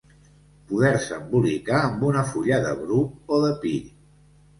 Poder-se embolicar amb una fulla de bruc o de pi.